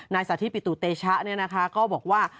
นายสาธิตปิตุเตชะเนี่ยนะคะก็บอกว่า